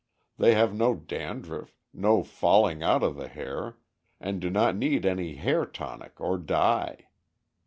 They have no dandruff, no falling out of the hair, and do not need any hair tonic or dye.